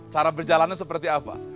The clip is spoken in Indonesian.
cara berjalannya seperti apa